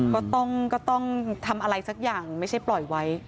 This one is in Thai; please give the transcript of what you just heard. ก็ต้องทำอะไรสักอย่างไม่ใช่ปล่อยไว้